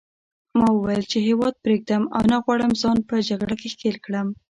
ما وویل چې هیواد پرېږدم او نه غواړم ځان په جګړه کې ښکېل کړم.